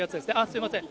すみません。